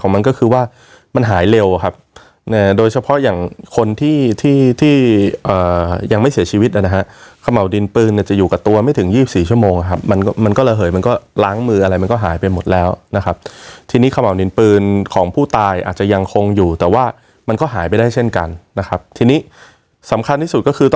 มันก็คือว่ามันหายเร็วครับโดยเฉพาะอย่างคนที่ที่ที่ยังไม่เสียชีวิตนะฮะขม่าวดินปืนเนี่ยจะอยู่กับตัวไม่ถึง๒๔ชั่วโมงครับมันมันก็ระเหยมันก็ล้างมืออะไรมันก็หายไปหมดแล้วนะครับทีนี้ขม่าวดินปืนของผู้ตายอาจจะยังคงอยู่แต่ว่ามันก็หายไปได้เช่นกันนะครับทีนี้สำคัญที่สุดก็คือต